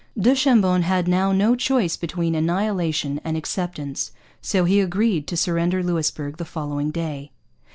Du Chambon had now no choice between annihilation and acceptance, so he agreed to surrender Louisbourg the following day.